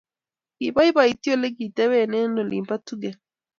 Kibaibaityi olegitebei eng olin bo Tugen